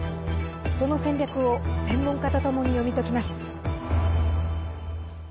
その戦略を専門家とともに読み解きます。